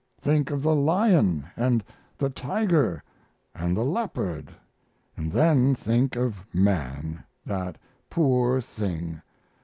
Think of the lion and the tiger and the leopard, and then think of man that poor thing!